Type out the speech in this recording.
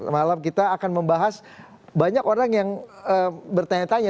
malam kita akan membahas banyak orang yang bertanya tanya